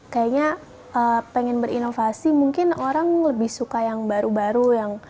kayaknya pengen berinovasi mungkin orang lebih suka yang baru baru yang